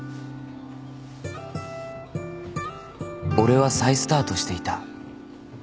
［俺は再スタートしていた］